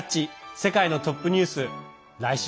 世界のトップニュース」。